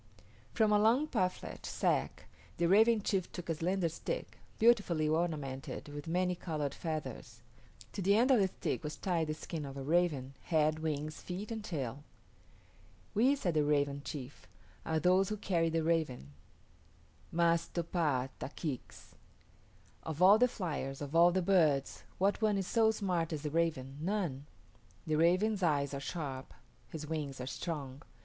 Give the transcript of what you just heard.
From a long parfleche sack the Raven chief took a slender stick, beautifully ornamented with many colored feathers. To the end of the stick was tied the skin of a raven head, wings, feet, and tail. "We," said the Raven chief, "are those who carry the raven (M[)a]s to p[=a]h´ t[)a] k[=i]ks). Of all the fliers, of all the birds, what one is so smart as the raven? None. The raven's eyes are sharp, his wings are strong.